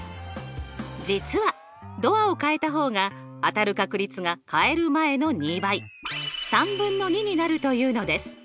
実はドアを変えた方が当たる確率が変える前の２倍３分の２になるというのです。